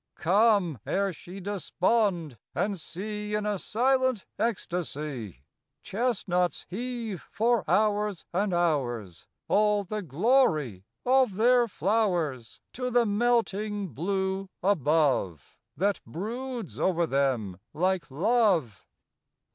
Come, ere she despond, and see In a silent ecstasy Chestnuts heave for hours and hours All the glory of their flowers To the melting blue above, That broods over them like love.